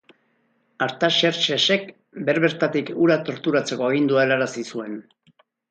Artaxerxes-ek, ber-bertatik, hura torturatzeko agindua helarazi zuen.